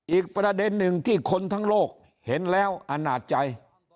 อีกประเด็นหนึ่งที่คนทั้งโลกเห็นแล้วอนาจใจ